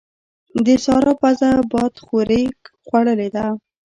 د سارا پزه بادخورې خوړلې ده.